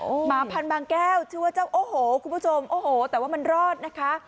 หมาพันบางแก้วชื่อว่าเจ้าโอ้โหคุณผู้ชมโอ้โหแต่ว่ามันรอดนะคะ